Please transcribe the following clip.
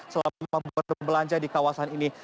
selama berbelanja di kawasan ini